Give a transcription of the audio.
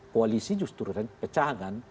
koalisi justru pecah kan